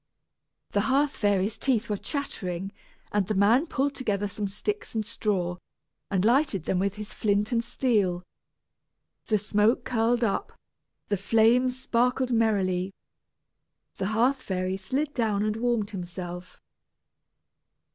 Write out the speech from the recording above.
The hearth fairy's teeth were chattering, and the man pulled together some sticks and straw, and lighted them with his flint and steel. The smoke curled up, the flames sparkled merrily. The hearth fairy slid down and warmed himself.